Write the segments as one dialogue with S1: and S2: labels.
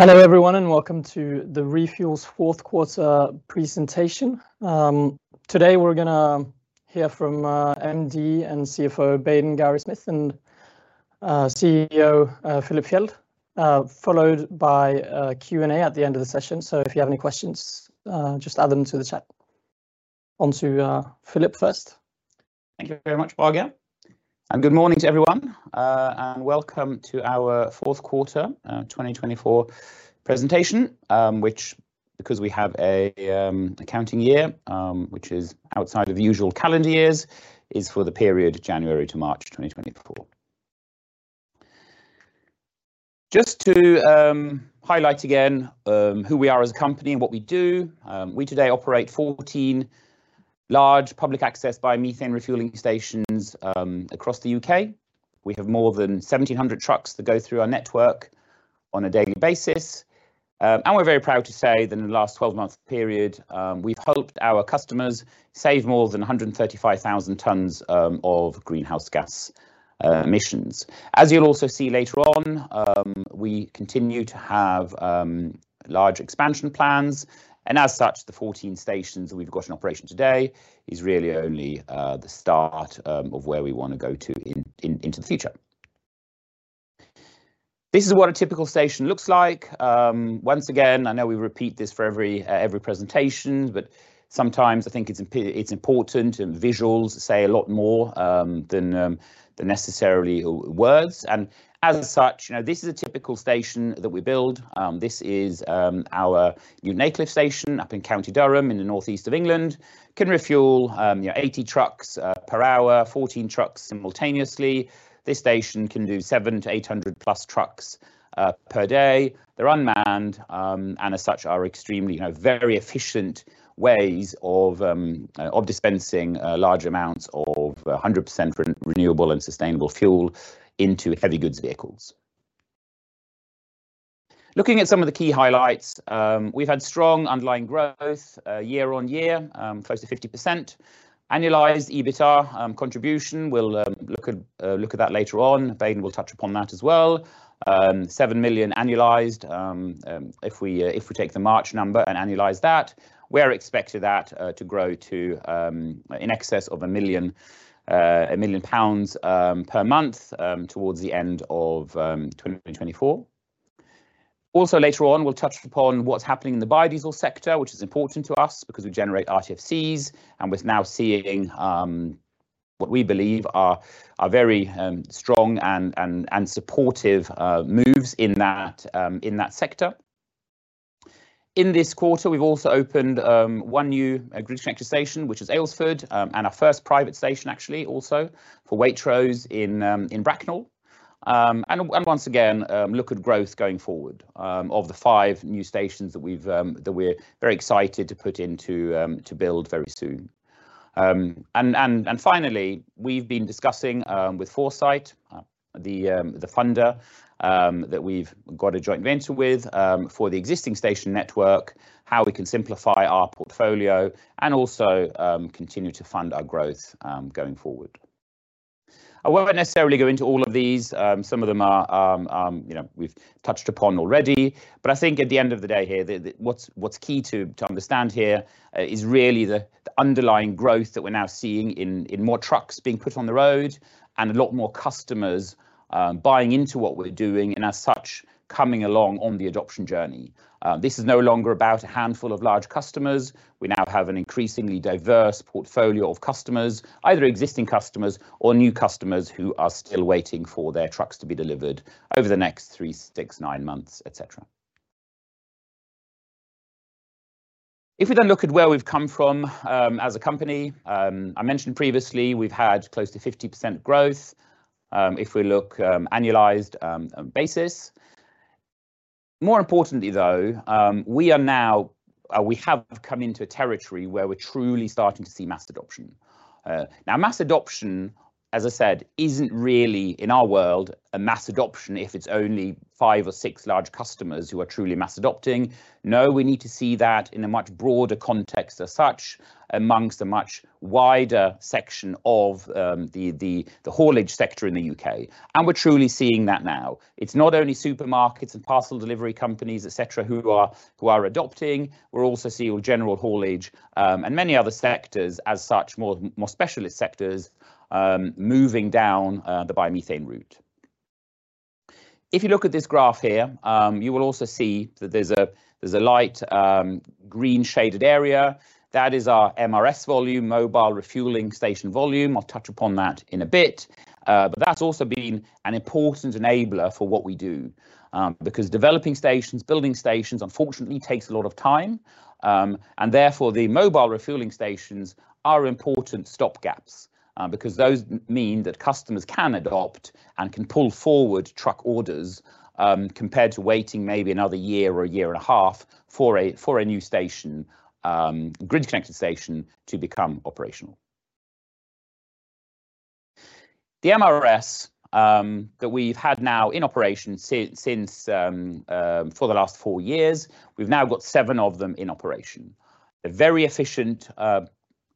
S1: Hello, everyone, and welcome to the ReFuels fourth quarter presentation. Today we're gonna hear from MD and CFO, Baden Gowrie-Smith, and CEO, Philip Fjeld, followed by a Q&A at the end of the session. So if you have any questions, just add them to the chat. On to Philip first.
S2: Thank you very much, Baden. Good morning to everyone, and welcome to our fourth quarter 2024 presentation, which, because we have an accounting year which is outside of the usual calendar years, is for the period January to March 2024. Just to highlight again who we are as a company and what we do, we today operate 14 large public access biomethane refueling stations across the UK. We have more than 1,700 trucks that go through our network on a daily basis. We're very proud to say that in the last 12-month period, we've helped our customers save more than 135,000 tons of greenhouse gas emissions. As you'll also see later on, we continue to have large expansion plans, and as such, the 14 stations that we've got in operation today is really only the start of where we wanna go to into the future. This is what a typical station looks like. Once again, I know we repeat this for every presentation, but sometimes I think it's important, and visuals say a lot more than necessarily words. And as such, you know, this is a typical station that we build. This is our new Newton Aycliffe station up in County Durham, in the northeast of England. Can refuel your 80 trucks per hour, 14 trucks simultaneously. This station can do 700-800+ trucks per day. They're unmanned, and as such, are extremely, you know, very efficient ways of dispensing large amounts of 100% renewable and sustainable fuel into heavy goods vehicles. Looking at some of the key highlights, we've had strong underlying growth year-over-year close to 50%. Annualized EBITDA contribution, we'll look at that later on. Baden will touch upon that as well. 7 million annualized, if we take the March number and annualize that, we're expected that to grow to in excess of 1 million pounds per month towards the end of 2024. Also, later on, we'll touch upon what's happening in the biodiesel sector, which is important to us because we generate RTFCs, and we're now seeing what we believe are very strong and supportive moves in that sector. In this quarter, we've also opened one new grid-connected station, which is Aylesford, and our first private station, actually, for Waitrose in Bracknell. And once again, look at growth going forward of the five new stations that we're very excited to put into to build very soon. And finally, we've been discussing with Foresight, the funder that we've got a joint venture with, for the existing station network, how we can simplify our portfolio and also continue to fund our growth going forward. I won't necessarily go into all of these. Some of them are, you know, we've touched upon already. But I think at the end of the day here, what's key to understand here is really the underlying growth that we're now seeing in more trucks being put on the road and a lot more customers buying into what we're doing, and as such, coming along on the adoption journey. This is no longer about a handful of large customers. We now have an increasingly diverse portfolio of customers, either existing customers or new customers who are still waiting for their trucks to be delivered over the next three, six, nine months, et cetera. If you then look at where we've come from, as a company, I mentioned previously, we've had close to 50% growth, if we look annualized basis. More importantly, though, we are now, we have come into a territory where we're truly starting to see mass adoption. Now, mass adoption, as I said, isn't really, in our world, a mass adoption if it's only five or six large customers who are truly mass adopting. No, we need to see that in a much broader context as such, among a much wider section of the haulage sector in the U.K., and we're truly seeing that now. It's not only supermarkets and parcel delivery companies, et cetera, who are adopting. We're also seeing general haulage and many other sectors as such, more specialist sectors, moving down the biomethane route. If you look at this graph here, you will also see that there's a light green shaded area. That is our MRS volume, mobile refueling station volume. I'll touch upon that in a bit. But that's also been an important enabler for what we do, because developing stations, building stations, unfortunately, takes a lot of time. And therefore, the mobile refueling stations are important stopgaps, because those mean that customers can adopt and can pull forward truck orders, compared to waiting maybe another year or a year and a half for a new station, grid connected station to become operational. The MRS that we've had now in operation for the last four years, we've now got seven of them in operation. They're very efficient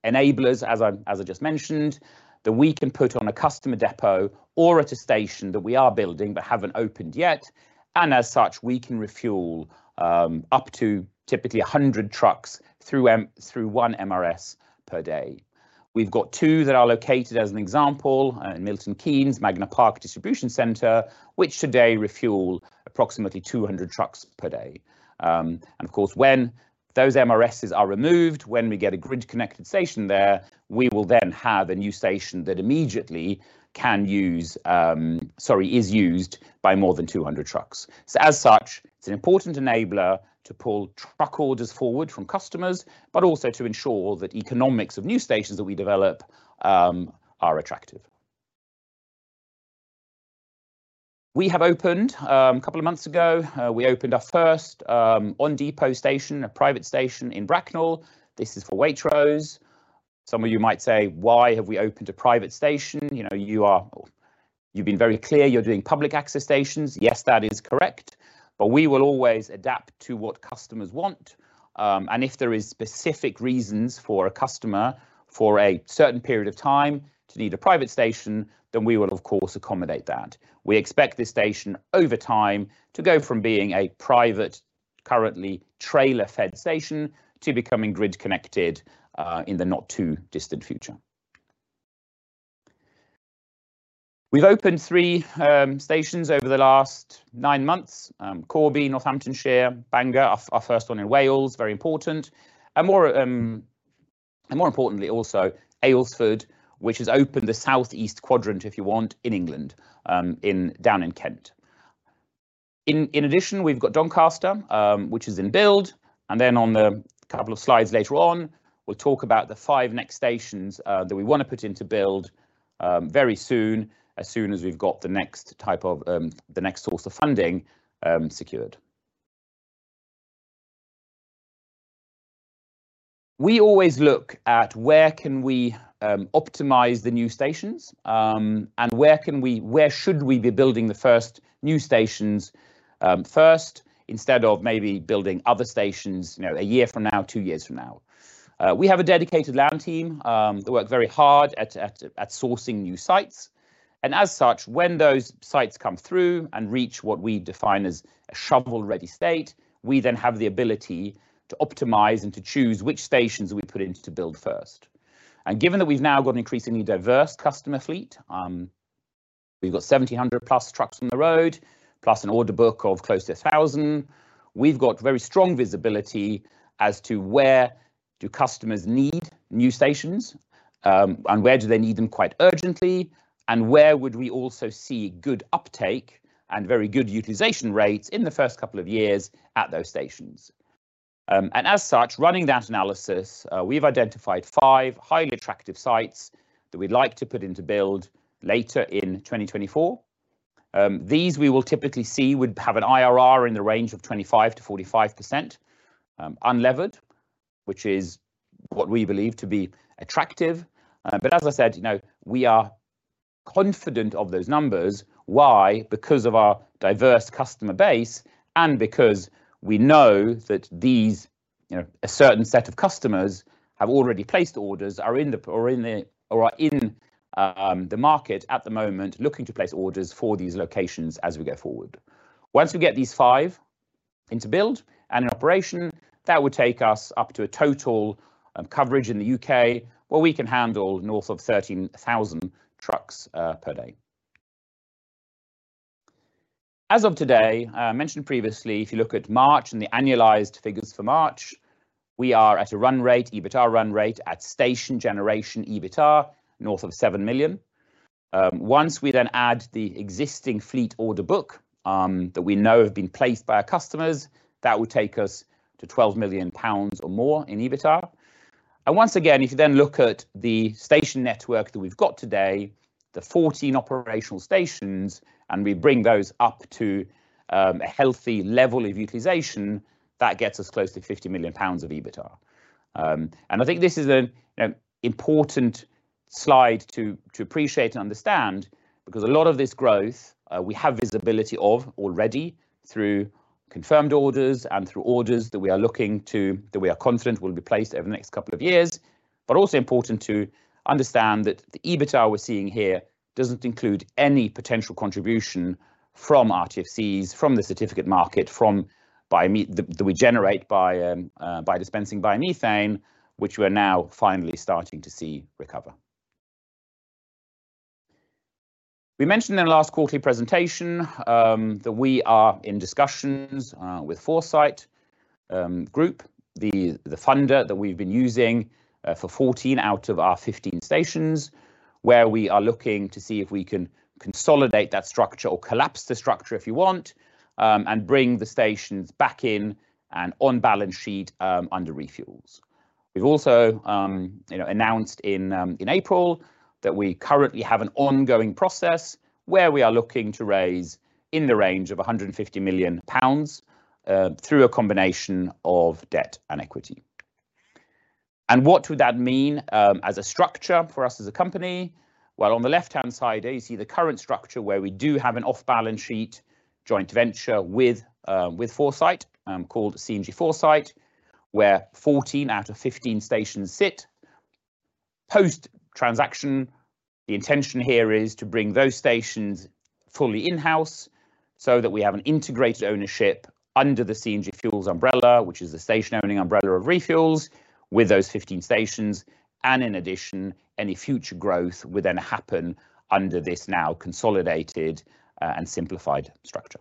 S2: enablers, as I just mentioned, that we can put on a customer depot or at a station that we are building but haven't opened yet, and as such, we can refuel up to typically 100 trucks through one MRS per day. We've got two that are located, as an example, in Milton Keynes, Magna Park Distribution Centre, which today refuel approximately 200 trucks per day. And of course, when those MRSs are removed, when we get a grid-connected station there, we will then have a new station that immediately is used by more than 200 trucks. So as such, it's an important enabler to pull truck orders forward from customers, but also to ensure that economics of new stations that we develop are attractive. We have opened, a couple of months ago, we opened our first on-depot station, a private station in Bracknell. This is for Waitrose. Some of you might say, "Why have we opened a private station? You know, you are- you've been very clear you're doing public access stations." Yes, that is correct, but we will always adapt to what customers want, and if there is specific reasons for a customer for a certain period of time to need a private station, then we will, of course, accommodate that. We expect this station, over time, to go from being a private, currently trailer-fed station to becoming grid-connected in the not too distant future. We've opened three stations over the last nine months. Corby, Northamptonshire, Bangor, our first one in Wales, very important. And more importantly, also, Aylesford, which has opened the southeast quadrant, if you want, in England, down in Kent. In addition, we've got Doncaster, which is in build, and then on the couple of slides later on, we'll talk about the five next stations that we wanna put in to build very soon, as soon as we've got the next source of funding secured. We always look at where can we optimize the new stations, and where can we- where should we be building the first new stations first, instead of maybe building other stations, you know, a year from now, two years from now. We have a dedicated land team that work very hard at sourcing new sites, and as such, when those sites come through and reach what we define as a shovel-ready state, we then have the ability to optimize and to choose which stations we put in to build first. Given that we've now got an increasingly diverse customer fleet, we've got 700+ trucks on the road, plus an order book of close to 1,000, we've got very strong visibility as to where do customers need new stations, and where do they need them quite urgently, and where would we also see good uptake and very good utilization rates in the first couple of years at those stations. And as such, running that analysis, we've identified five highly attractive sites that we'd like to put in to build later in 2024. These we will typically see would have an IRR in the range of 25%-45%, unlevered, which is what we believe to be attractive. But as I said, you know, we are confident of those numbers. Why? Because of our diverse customer base and because we know that these, you know, a certain set of customers have already placed orders, or are in the market at the moment, looking to place orders for these locations as we go forward. Once we get these five into build and in operation, that will take us up to a total coverage in the U.K., where we can handle north of 13,000 trucks per day. As of today, I mentioned previously, if you look at March and the annualized figures for March, we are at a run rate, EBITDA run rate at station generation, EBITDA, north of 7 million. Once we then add the existing fleet order book, that we know have been placed by our customers, that will take us to 12 million pounds or more in EBITDA. And once again, if you then look at the station network that we've got today, the 14 operational stations, and we bring those up to, a healthy level of utilization, that gets us close to 50 million pounds of EBITDA. And I think this is an important slide to appreciate and understand, because a lot of this growth we have visibility of already through confirmed orders and through orders that we are confident will be placed over the next couple of years. But also important to understand that the EBITDA we're seeing here doesn't include any potential contribution from RTFCs, from the certificate market, from the certificates that we generate by dispensing biomethane, which we're now finally starting to see recover. We mentioned in the last quarterly presentation that we are in discussions with Foresight Group, the funder that we've been using for 14 out of our 15 stations, where we are looking to see if we can consolidate that structure or collapse the structure, if you want, and bring the stations back in and on balance sheet under ReFuels. We've also, you know, announced in April that we currently have an ongoing process where we are looking to raise in the range of 150 million pounds through a combination of debt and equity. And what would that mean as a structure for us as a company? Well, on the left-hand side, you see the current structure, where we do have an off-balance sheet joint venture with Foresight, called CNG Foresight, where 14 out of 15 stations sit. Post-transaction, the intention here is to bring those stations fully in-house, so that we have an integrated ownership under the CNG Fuels umbrella, which is the station-owning umbrella of ReFuels, with those 15 stations. And in addition, any future growth would then happen under this now consolidated and simplified structure.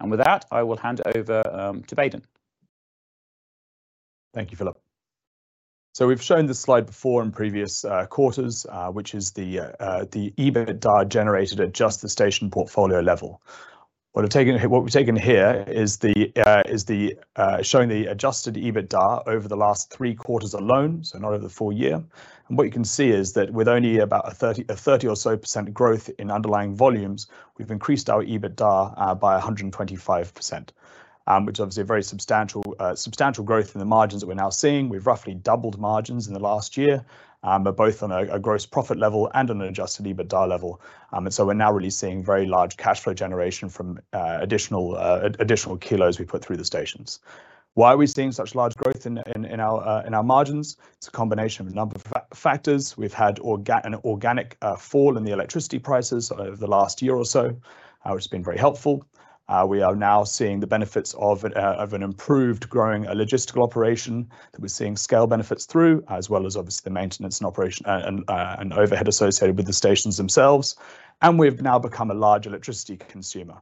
S2: And with that, I will hand it over to Baden.
S3: Thank you, Philip. We've shown this slide before in previous quarters, which is the EBITDA generated at just the station portfolio level. What we've taken here is showing the adjusted EBITDA over the last 3 quarters alone, so not over the full year. What you can see is that with only about 30% or so growth in underlying volumes, we've increased our EBITDA by 125%. Which obviously a very substantial growth in the margins that we're now seeing. We've roughly doubled margins in the last year, but both on a gross profit level and on an adjusted EBITDA level. And so we're now really seeing very large cash flow generation from additional kilos we put through the stations. Why are we seeing such large growth in our margins? It's a combination of a number of factors. We've had an organic fall in the electricity prices over the last year or so, which has been very helpful. We are now seeing the benefits of an improved growing logistical operation that we're seeing scale benefits through, as well as obviously the maintenance and operation, and overhead associated with the stations themselves. And we've now become a large electricity consumer.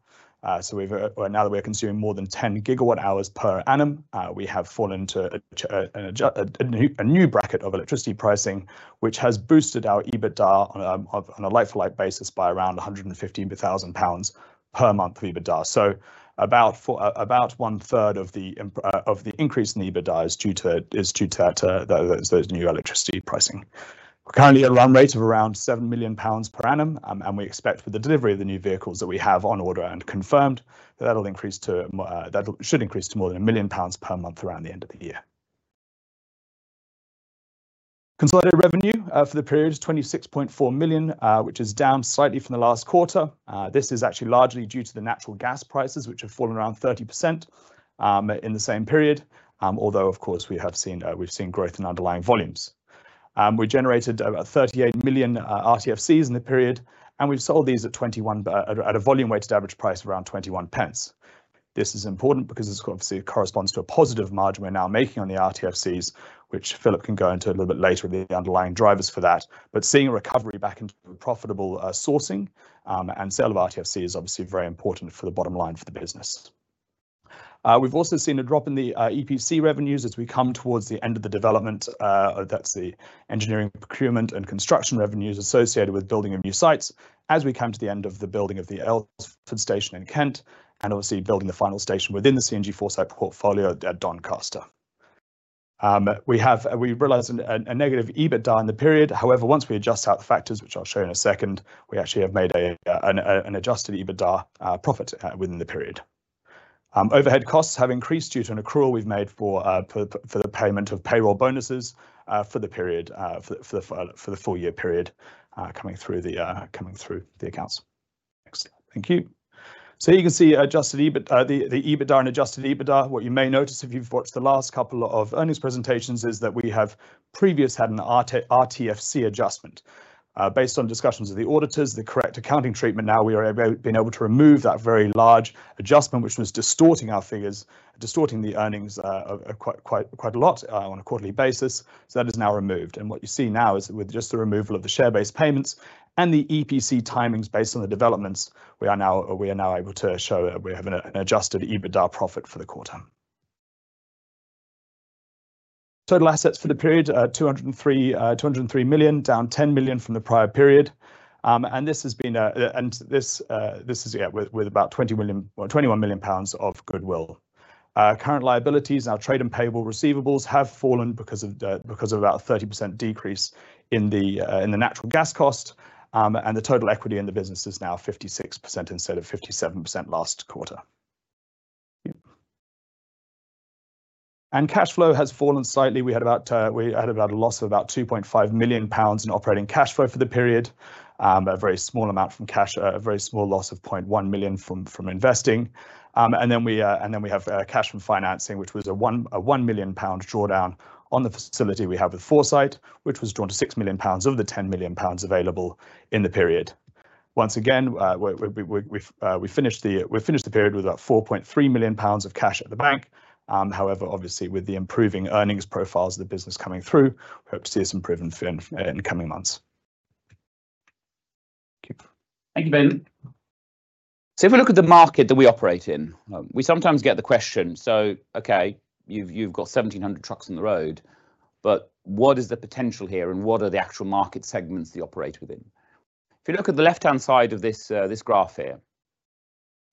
S3: So we've now that we're consuming more than 10 GWh per annum, we have fallen to an adj... A new bracket of electricity pricing, which has boosted our EBITDA on a like-for-like basis by around 115,000 pounds per month EBITDA. So about one third of the increase in EBITDA is due to those new electricity pricing. We're currently at a run rate of around 7 million pounds per annum, and we expect with the delivery of the new vehicles that we have on order and confirmed, that'll increase to more, that should increase to more than 1 million pounds per month around the end of the year. Consolidated revenue for the period is 26.4 million, which is down slightly from the last quarter. This is actually largely due to the natural gas prices, which have fallen around 30% in the same period. Although, of course, we've seen growth in underlying volumes. We generated about 38 million RTFCs in the period, and we've sold these at a volume weighted average price of around 0.21. This is important because this obviously corresponds to a positive margin we're now making on the RTFCs, which Philip can go into a little bit later, the underlying drivers for that. But seeing a recovery back into profitable sourcing and sale of RTFC is obviously very important for the bottom line for the business. We've also seen a drop in the EPC revenues as we come towards the end of the development, that's the engineering, procurement, and construction revenues associated with building of new sites, as we come to the end of the building of the Aylesford station in Kent, and obviously, building the final station within the CNG Foresight portfolio at Doncaster. We realized a negative EBITDA in the period. However, once we adjust out the factors, which I'll show you in a second, we actually have made an adjusted EBITDA profit within the period. Overhead costs have increased due to an accrual we've made for the payment of payroll bonuses for the period, for the full year period, coming through the accounts. Next. Thank you. So you can see adjusted EBIT, the EBITDA and adjusted EBITDA. What you may notice if you've watched the last couple of earnings presentations, is that we have previously had an RTFC adjustment. Based on discussions with the auditors, the correct accounting treatment, now we are able to remove that very large adjustment, which was distorting our figures, distorting the earnings, quite a lot, on a quarterly basis. So that is now removed. And what you see now is with just the removal of the share-based payments and the EPC timings based on the developments, we are now able to show we're having an adjusted EBITDA profit for the quarter. Total assets for the period, 203 million, down 10 million from the prior period. And this is, yeah, with about 20 million, well, 21 million pounds of goodwill. Current liabilities, our trade and payable receivables have fallen because of about a 30% decrease in the natural gas cost. And the total equity in the business is now 56% instead of 57% last quarter. Yeah. And cash flow has fallen slightly. We had about a loss of about 2.5 million pounds in operating cash flow for the period. A very small amount from cash, a very small loss of 0.1 million from investing. And then we have cash from financing, which was a 1 million pound drawdown on the facility we have with Foresight, which was drawn to 6 million pounds of the 10 million pounds available in the period. Once again, we finished the period with about 4.3 million pounds of cash at the bank. However, obviously, with the improving earnings profiles of the business coming through, we hope to see some improvement in the coming months. Thank you.
S2: Thank you, Baden. So if we look at the market that we operate in, we sometimes get the question: "So, okay, you've got 1,700 trucks on the road, but what is the potential here, and what are the actual market segments that you operate within?" If you look at the left-hand side of this, this graph here,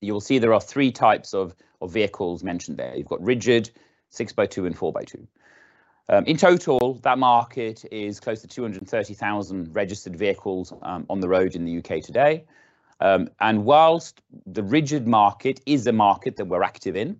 S2: you will see there are three types of vehicles mentioned there. You've got rigid, 6x2, and 4x2. In total, that market is close to 230,000 registered vehicles, on the road in the U.K. today. And whilst the rigid market is a market that we're active in,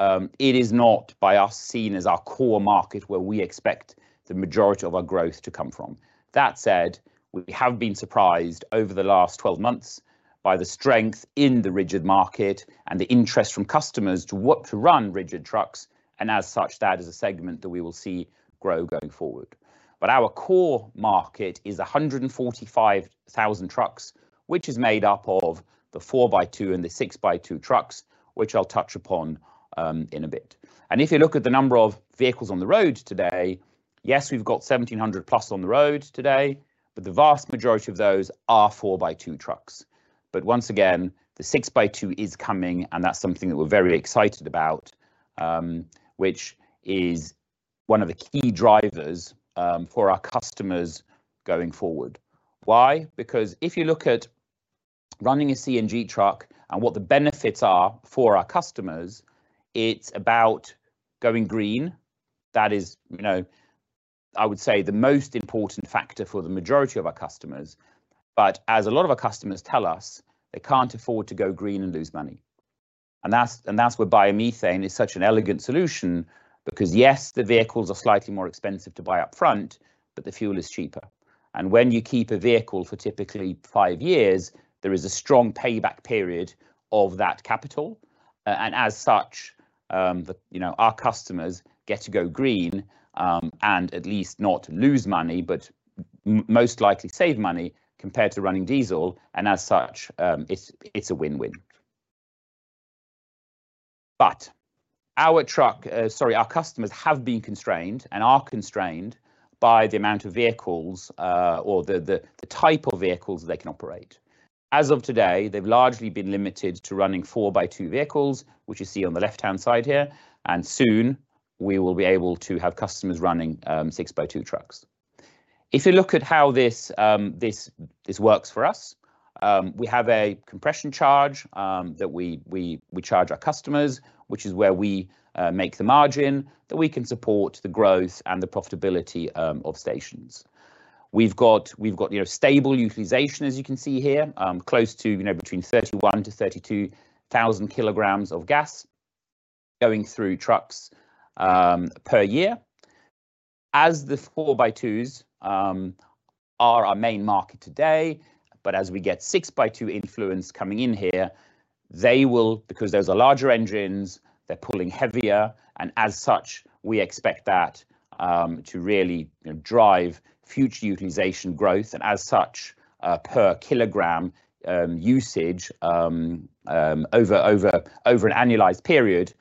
S2: it is not by us seen as our core market where we expect the majority of our growth to come from. That said, we have been surprised over the last 12 months by the strength in the rigid market and the interest from customers to want to run rigid trucks, and as such, that is a segment that we will see grow going forward. But our core market is 145,000 trucks, which is made up of the 4x2 and the 6x2 trucks, which I'll touch upon in a bit. And if you look at the number of vehicles on the road today, yes, we've got 1,700+ on the road today, but the vast majority of those are 4x2 trucks. But once again, the 6x2 is coming, and that's something that we're very excited about, which is one of the key drivers for our customers going forward. Why? Because if you look at running a CNG truck and what the benefits are for our customers, it's about going green. That is, you know, I would say, the most important factor for the majority of our customers. But as a lot of our customers tell us, they can't afford to go green and lose money, and that's where biomethane is such an elegant solution. Because, yes, the vehicles are slightly more expensive to buy up front, but the fuel is cheaper, and when you keep a vehicle for typically five years, there is a strong payback period of that capital. And as such, the, you know, our customers get to go green, and at least not lose money, but most likely save money compared to running diesel, and as such, it's a win-win. But our truck, Sorry, our customers have been constrained and are constrained by the amount of vehicles, or the type of vehicles they can operate. As of today, they've largely been limited to running 4x2 vehicles, which you see on the left-hand side here, and soon we will be able to have customers running 6x2 trucks. If you look at how this works for us, we have a compression charge that we charge our customers, which is where we make the margin, that we can support the growth and the profitability of stations. We've got, you know, stable utilization, as you can see here, close to, you know, between 31,000-32,000 kilograms of gas going through trucks per year. As the 4x2s are our main market today, but as we get 6x2 influence coming in here, they will, because those are larger engines, they're pulling heavier, and as such, we expect that to really, you know, drive future utilization growth, and as such, per kilogram usage over an annualized period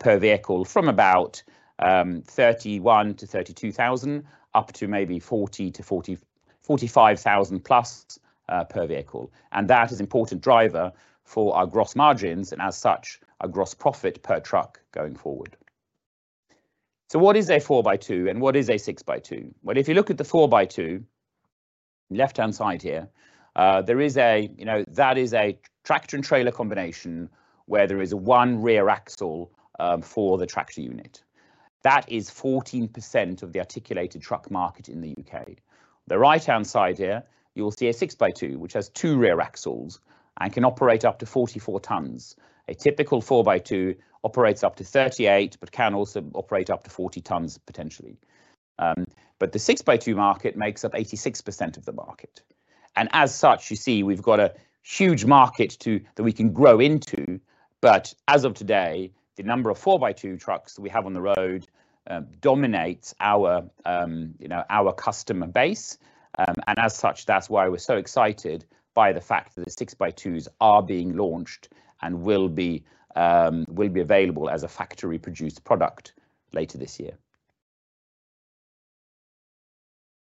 S2: per vehicle from about 31,000-32,000, up to maybe 40,000-45,000+ per vehicle, and that is important driver for our gross margins and as such, our gross profit per truck going forward. So what is a 4x2, and what is a 6x2? Well, if you look at the 4x2, left-hand side here, there is a, you know, that is a tractor and trailer combination where there is one rear axle for the tractor unit. That is 14% of the articulated truck market in the U.K. The right-hand side here, you will see a 6x2, which has two rear axles and can operate up to 44 tons. A typical 4x2 operates up to 38, but can also operate up to 40 tons potentially. But the 6x2 market makes up 86% of the market, and as such, you see, we've got a huge market to that we can grow into. But as of today, the number of 4x2 trucks we have on the road dominates our, you know, our customer base. And as such, that's why we're so excited by the fact that the 6x2s are being launched and will be available as a factory-produced product later this year.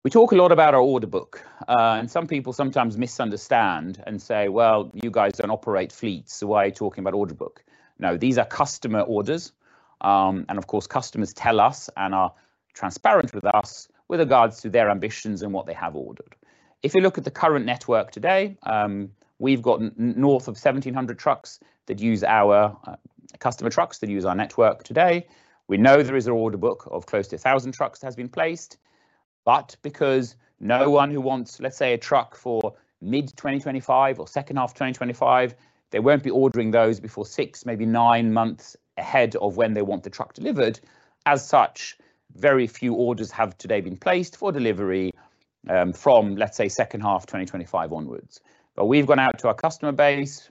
S2: We talk a lot about our order book, and some people sometimes misunderstand and say, "Well, you guys don't operate fleets, so why are you talking about order book?" No, these are customer orders. And of course, customers tell us and are transparent with us with regards to their ambitions and what they have ordered. If you look at the current network today, we've got north of 1,700 trucks that use our customer trucks that use our network today. We know there is an order book of close to 1,000 trucks that has been placed, but because no one who wants, let's say, a truck for mid-2025 or second half 2025, they won't be ordering those before six, maybe nine months ahead of when they want the truck delivered. As such, very few orders have today been placed for delivery, from, let's say, second half 2025 onwards. But we've gone out to our customer base,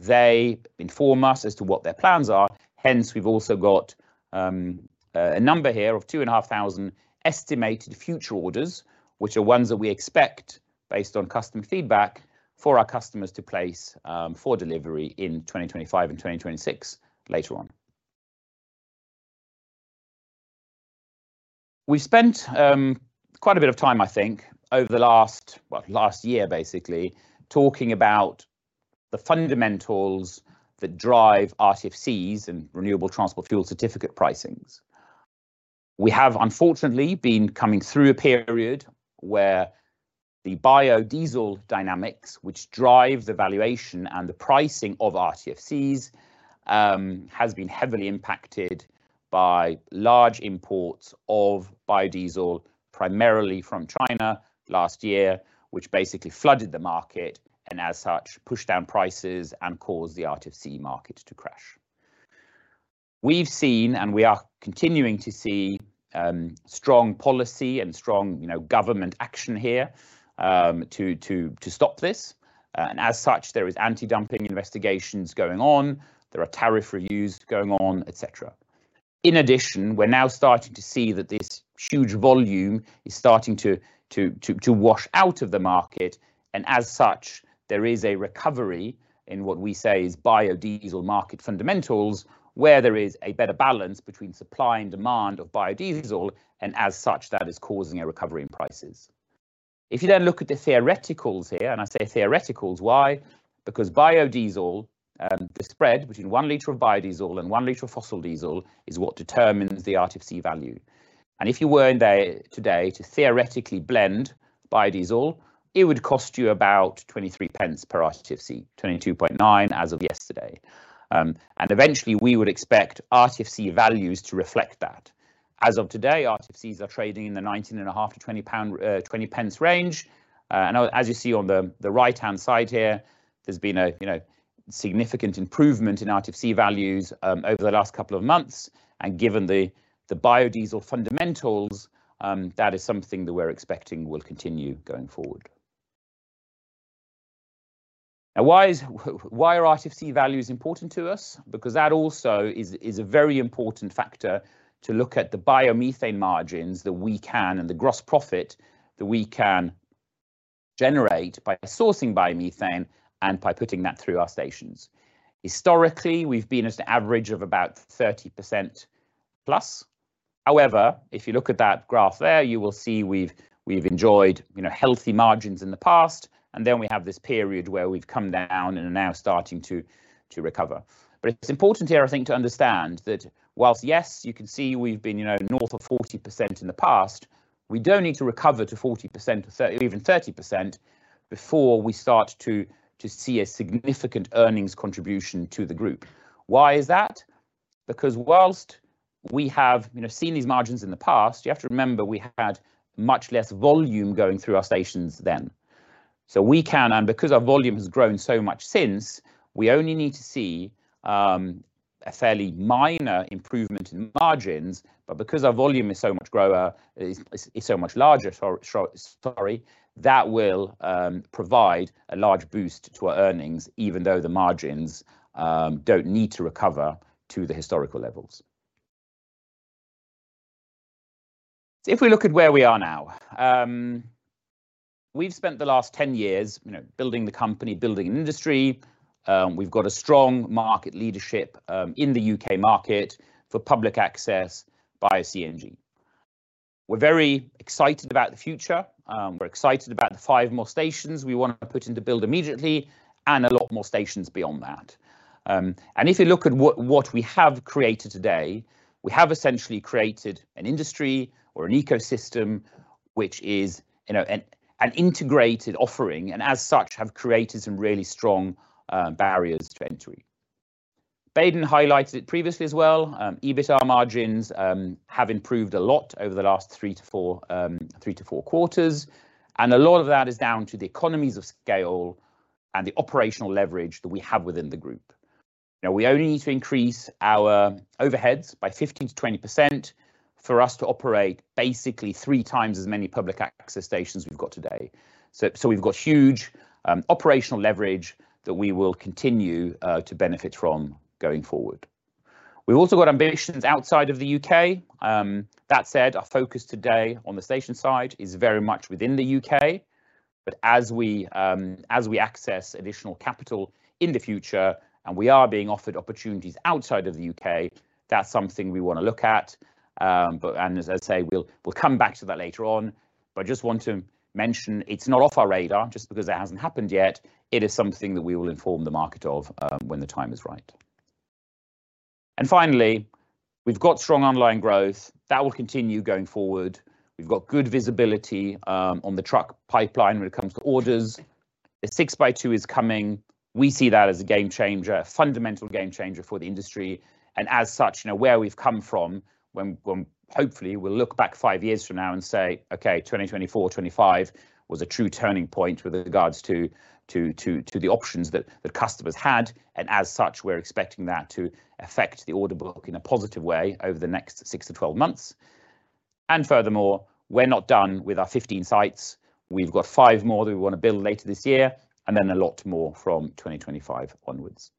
S2: they inform us as to what their plans are. Hence, we've also got a number here of 2,500 estimated future orders, which are ones that we expect, based on customer feedback, for our customers to place, for delivery in 2025 and 2026, later on. We spent quite a bit of time, I think, over the last last year, basically, talking about the fundamentals that drive RTFCs and Renewable Transport Fuel Certificate pricings. We have, unfortunately, been coming through a period where the biodiesel dynamics, which drive the valuation and the pricing of RTFCs, has been heavily impacted. by large imports of biodiesel, primarily from China last year, which basically flooded the market, and as such, pushed down prices and caused the RTFC market to crash. We've seen, and we are continuing to see, strong policy and strong, you know, government action here, to stop this. And as such, there is anti-dumping investigations going on, there are tariff reviews going on, et cetera. In addition, we're now starting to see that this huge volume is starting to wash out of the market, and as such, there is a recovery in what we say is biodiesel market fundamentals, where there is a better balance between supply and demand of biodiesel, and as such, that is causing a recovery in prices. If you then look at the theoreticals here, and I say theoreticals, why? Because biodiesel, the spread between one liter of biodiesel and one liter of fossil diesel is what determines the RTFC value. And if you were in there today to theoretically blend biodiesel, it would cost you about 0.23 per RTFC, 0.229 as of yesterday. And eventually we would expect RTFC values to reflect that. As of today, RTFCs are trading in the 19.50-20.20 pound range. And as you see on the right-hand side here, there's been a you know significant improvement in RTFC values over the last couple of months. And given the biodiesel fundamentals, that is something that we're expecting will continue going forward. Now, why are RTFC values important to us? Because that also is a very important factor to look at the biomethane margins that we can, and the gross profit that we can generate by sourcing biomethane and by putting that through our stations. Historically, we've been at an average of about 30% plus. However, if you look at that graph there, you will see we've enjoyed, you know, healthy margins in the past, and then we have this period where we've come down and are now starting to recover. But it's important here, I think, to understand that whilst, yes, you can see we've been, you know, north of 40% in the past, we don't need to recover to 40% or thir- even 30% before we start to see a significant earnings contribution to the group. Why is that? Because while we have, you know, seen these margins in the past, you have to remember, we had much less volume going through our stations then. So we can, and because our volume has grown so much since, we only need to see a fairly minor improvement in margins, but because our volume is so much greater, so much larger, that will provide a large boost to our earnings, even though the margins don't need to recover to the historical levels. If we look at where we are now, we've spent the last 10 years, you know, building the company, building an industry. We've got a strong market leadership in the U.K. market for public access Bio-CNG. We're very excited about the future. We're excited about the 5 more stations we wanna put into build immediately, and a lot more stations beyond that. And if you look at what, what we have created today, we have essentially created an industry or an ecosystem, which is, you know, an integrated offering, and as such, have created some really strong barriers to entry. Baden highlighted it previously as well. EBITDA margins have improved a lot over the last 3-4, 3-4 quarters, and a lot of that is down to the economies of scale and the operational leverage that we have within the group. Now, we only need to increase our overheads by 15%-20% for us to operate basically 3 times as many public access stations we've got today. So, so we've got huge operational leverage that we will continue to benefit from going forward. We've also got ambitions outside of the U.K. That said, our focus today on the station side is very much within the U.K., but as we as we access additional capital in the future, and we are being offered opportunities outside of the U.K., that's something we wanna look at. But... and as I say, we'll we'll come back to that later on, but I just want to mention, it's not off our radar just because it hasn't happened yet. It is something that we will inform the market of when the time is right. And finally, we've got strong online growth that will continue going forward. We've got good visibility on the truck pipeline when it comes to orders. The 6x2 is coming. We see that as a game changer, a fundamental game changer for the industry, and as such, you know, where we've come from, when hopefully we'll look back 5 years from now and say, "Okay, 2024, 2025 was a true turning point with regards to the options that customers had," and as such, we're expecting that to affect the order book in a positive way over the next 6-12 months. And furthermore, we're not done with our 15 sites. We've got 5 more that we wanna build later this year, and then a lot more from 2025 onwards.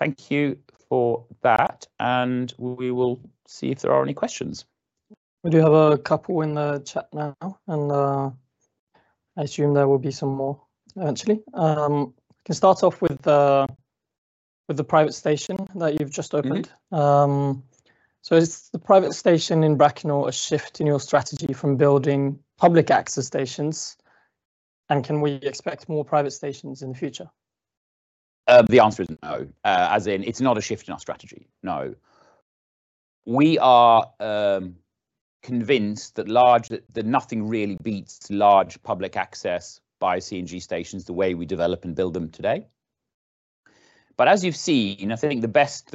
S2: Thank you for that, and we will see if there are any questions.
S1: We do have a couple in the chat now, and I assume there will be some more actually. We can start off with the private station that you've just opened.
S2: Mm-hmm.
S1: Is the private station in Bracknell a shift in your strategy from building public access stations, and can we expect more private stations in the future?
S2: The answer is no. As in, it's not a shift in our strategy, no. We are convinced that nothing really beats large public access Bio-CNG stations the way we develop and build them today. But as you've seen, you know, I think the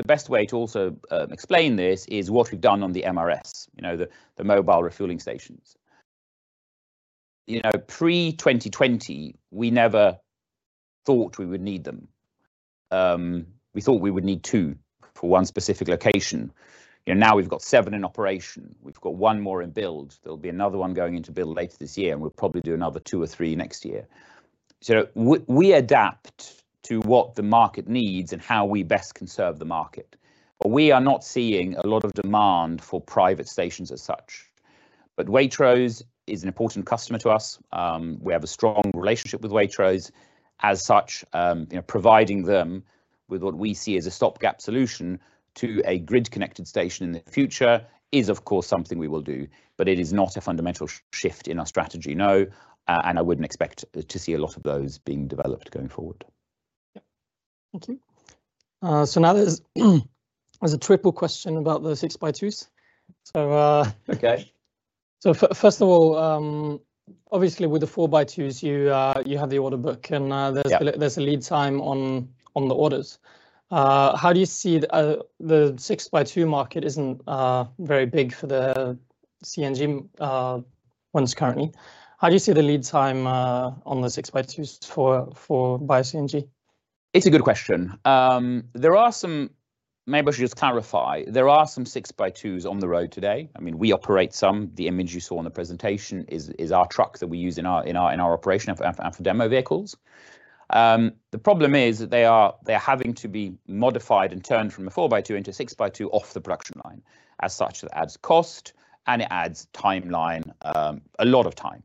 S2: best way to also explain this is what we've done on the MRS, you know, the mobile refueling stations. You know, pre-2020, we never thought we would need them. We thought we would need two for one specific location. You know, now we've got seven in operation. We've got one more in build. There'll be another one going into build later this year, and we'll probably do another two or three next year. So we adapt to what the market needs and how we best can serve the market, but we are not seeing a lot of demand for private stations as such. But Waitrose is an important customer to us. We have a strong relationship with Waitrose. As such, you know, providing them with what we see as a stopgap solution to a grid-connected station in the future is, of course, something we will do, but it is not a fundamental shift in our strategy, no, and I wouldn't expect to see a lot of those being developed going forward.
S1: Yep. Thank you. So now there's a triple question about the 6x2s. So,
S2: Okay.
S1: So first of all, obviously, with the 4x2s, you have the order book, and
S2: Yeah...
S1: there's a lead time on the orders. How do you see the 6x2 market isn't very big for the CNG ones currently. How do you see the lead time on the 6x2s for Bio-CNG?
S2: It's a good question. There are some... Maybe I should just clarify, there are some 6x2s on the road today. I mean, we operate some. The image you saw in the presentation is our truck that we use in our operation and for demo vehicles. The problem is that they are, they're having to be modified and turned from a 4x2 into a 6x2 off the production line. As such, it adds cost, and it adds timeline, a lot of time.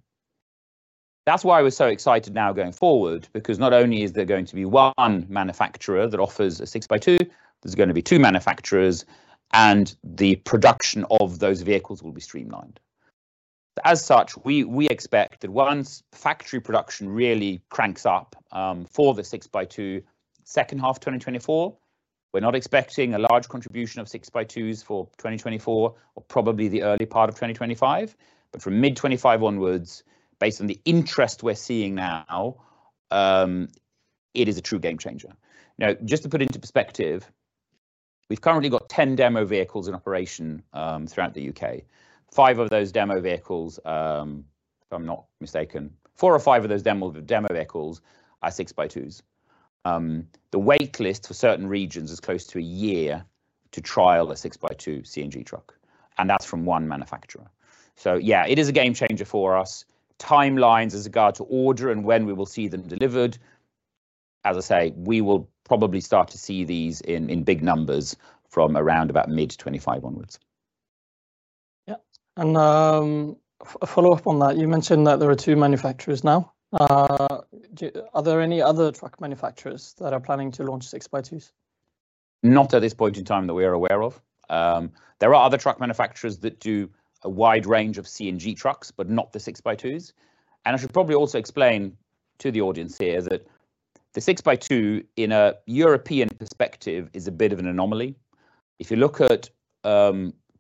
S2: That's why we're so excited now going forward because not only is there going to be one manufacturer that offers a 6x2, there's gonna be two manufacturers, and the production of those vehicles will be streamlined. As such, we expect that once factory production really cranks up, for the 6x2, second half 2024, we're not expecting a large contribution of 6x2s for 2024 or probably the early part of 2025. But from mid-2025 onwards, based on the interest we're seeing now, it is a true game changer. Now, just to put it into perspective, we've currently got 10 demo vehicles in operation throughout the U.K. Five of those demo vehicles, if I'm not mistaken, four or five of those demo vehicles are 6x2s. The wait list for certain regions is close to a year to trial a 6x2 CNG truck, and that's from one manufacturer. So yeah, it is a game changer for us. Timelines as regard to order and when we will see them delivered, as I say, we will probably start to see these in big numbers from around about mid-2025 onwards.
S1: Yeah, a follow-up on that. You mentioned that there are two manufacturers now. Are there any other truck manufacturers that are planning to launch 6x2s?
S2: Not at this point in time that we are aware of. There are other truck manufacturers that do a wide range of CNG trucks, but not the 6x2s. And I should probably also explain to the audience here that the 6x2, in a European perspective, is a bit of an anomaly. If you look at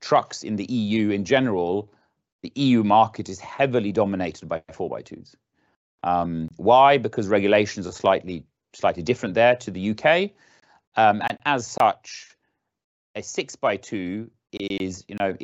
S2: trucks in the EU in general, the EU market is heavily dominated by 4x2s. Why? Because regulations are slightly different there to the U.K., and as such, a 6x2 is, you know,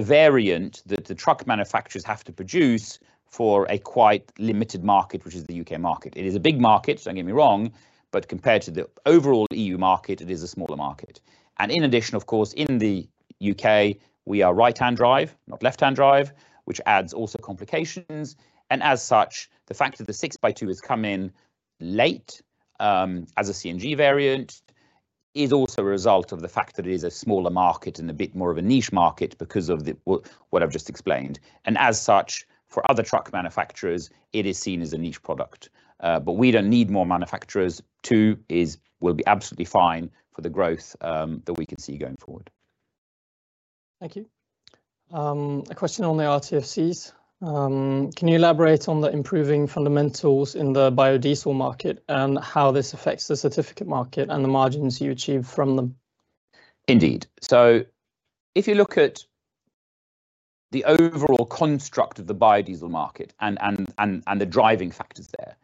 S2: a variant that the truck manufacturers have to produce for a quite limited market, which is the U.K. market. It is a big market, don't get me wrong, but compared to the overall EU market, it is a smaller market. In addition, of course, in the U.K., we are right-hand drive, not left-hand drive, which adds also complications. As such, the fact that the 6x2 has come in late as a CNG variant is also a result of the fact that it is a smaller market and a bit more of a niche market because of the, well, what I've just explained. As such, for other truck manufacturers, it is seen as a niche product. But we don't need more manufacturers. Two is, will be absolutely fine for the growth that we can see going forward.
S1: Thank you. A question on the RTFCs. Can you elaborate on the improving fundamentals in the biodiesel market and how this affects the certificate market and the margins you achieve from them?
S2: Indeed. So if you look at the overall construct of the biodiesel market and the driving factors there,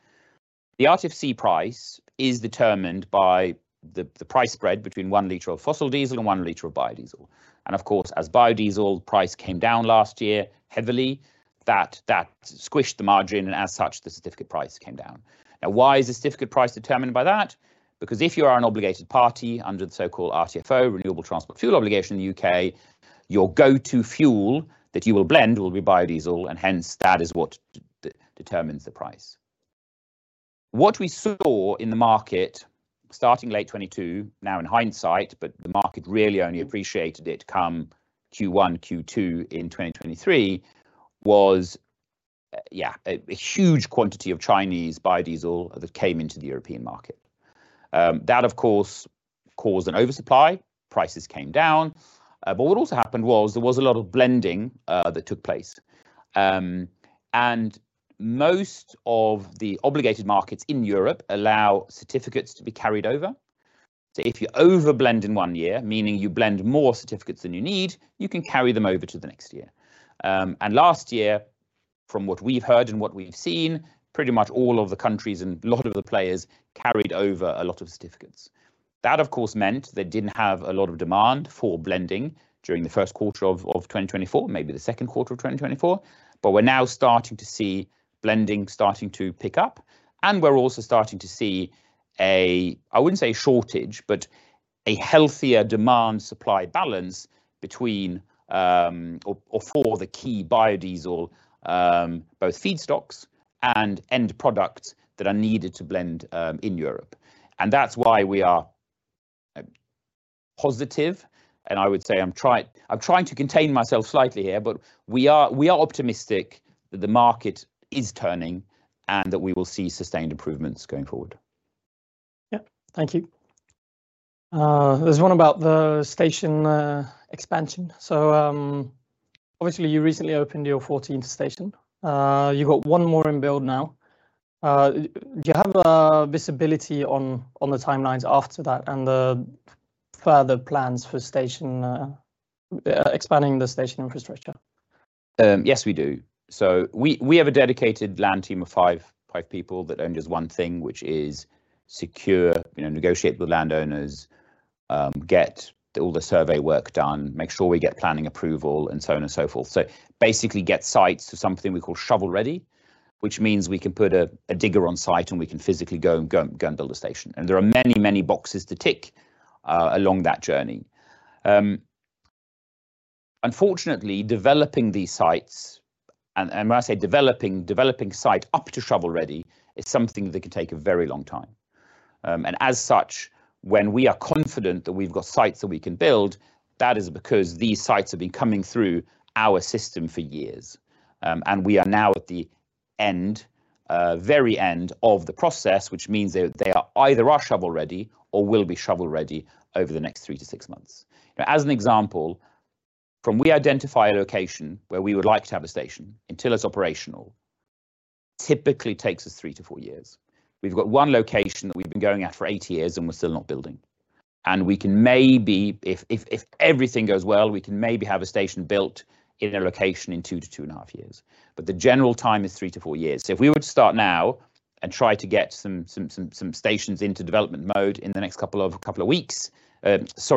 S2: the RTFC price is determined by the price spread between one liter of fossil diesel and one liter of biodiesel. And of course, as biodiesel price came down last year heavily, that squished the margin, and as such, the certificate price came down. Now, why is the certificate price determined by that? Because if you are an obligated party under the so-called RTFO, Renewable Transport Fuel Obligation in the UK, your go-to fuel that you will blend will be biodiesel, and hence, that is what determines the price. What we saw in the market, starting late 2022, now in hindsight, but the market really only appreciated it come Q1, Q2 in 2023, was yeah, a huge quantity of Chinese biodiesel that came into the European market. That, of course, caused an oversupply. Prices came down, but what also happened was there was a lot of blending that took place. And most of the obligated markets in Europe allow certificates to be carried over. So if you over-blend in one year, meaning you blend more certificates than you need, you can carry them over to the next year. And last year, from what we've heard and what we've seen, pretty much all of the countries and a lot of the players carried over a lot of certificates. That, of course, meant they didn't have a lot of demand for blending during the first quarter of 2024, maybe the second quarter of 2024, but we're now starting to see blending starting to pick up, and we're also starting to see a, I wouldn't say shortage, but a healthier demand-supply balance between or for the key biodiesel both feedstocks and end products that are needed to blend in Europe. And that's why we are positive, and I would say I'm trying to contain myself slightly here, but we are optimistic that the market is turning, and that we will see sustained improvements going forward.
S1: Yeah. Thank you. There's one about the station expansion. So, obviously, you recently opened your fourteenth station. You've got one more in build now. Do you have visibility on the timelines after that and the further plans for station expanding the station infrastructure?
S2: Yes, we do. So we have a dedicated land team of five people that only does one thing, which is secure, you know, negotiate with landowners, get all the survey work done, make sure we get planning approval, and so on and so forth. So basically, get sites to something we call shovel-ready, which means we can put a digger on site, and we can physically go and build a station, and there are many, many boxes to tick along that journey. Unfortunately, developing these sites, and when I say developing, developing site up to shovel-ready is something that can take a very long time. And as such, when we are confident that we've got sites that we can build, that is because these sites have been coming through our system for years. We are now at the end, very end of the process, which means that they are either shovel-ready or will be shovel-ready over the next three-six months. Now, as an example, from we identify a location where we would like to have a station, until it's operational, typically takes us three-four years. We've got one location that we've been going at for eight years, and we're still not building, and we can maybe... if everything goes well, we can maybe have a station built in a location in two-2.5 years, but the general time is three-four years. So if we were to start now and try to get some stations into development mode in the next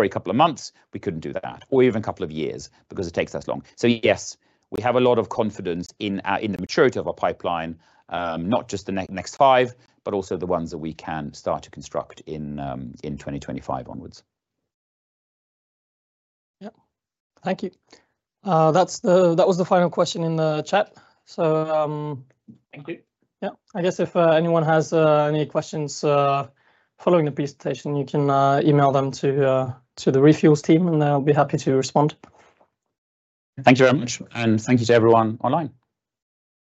S2: couple of months, we couldn't do that, or even a couple of years, because it takes us long. So yes, we have a lot of confidence in the maturity of our pipeline, not just the next five, but also the ones that we can start to construct in 2025 onwards.
S1: Yep. Thank you. That was the final question in the chat. So,
S2: Thank you.
S1: Yeah. I guess if anyone has any questions following the presentation, you can email them to the ReFuels team, and they'll be happy to respond.
S2: Thank you very much, and thank you to everyone online.